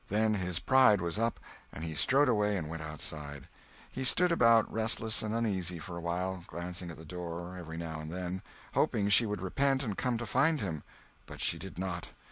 Then his pride was up, and he strode away and went outside. He stood about, restless and uneasy, for a while, glancing at the door, every now and then, hoping she would repent and come to find him. But she did not.